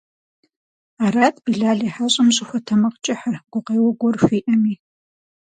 Арат Билал и хьэщӀэм щӀыхуэтэмакъкӀыхьыр, гукъеуэ гуэр хуиӀэми.